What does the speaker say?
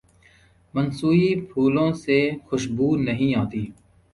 مصنوعی پھولوں سے خوشبو نہیں آتی۔